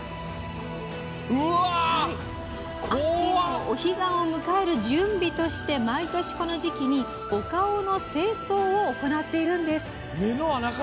秋のお彼岸を迎える準備として毎年、この時期にお顔の清掃を行っているんです。